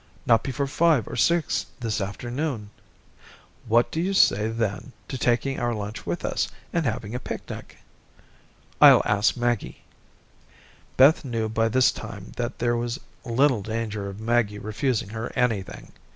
"Not before five or six this afternoon." "What do you say then to taking our lunch with us, and having a picnic?" "I'll ask Maggie." Beth knew by this time that there was little danger of Maggie refusing her anything.